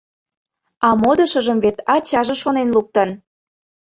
А модышыжым вет ачаже шонен луктын!